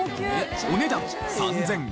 お値段３５００円。